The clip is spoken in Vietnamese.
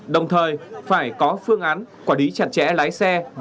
đồng thời phải có phương án quản lý chặt chẽ lái xe